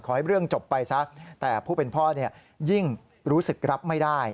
ให้เรื่องจบไปซะแต่ผู้เป็นพ่อยิ่งรู้สึกรับไม่ได้